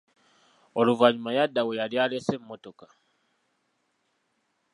Oluvanyuma yadda we yali alesse emmotoka.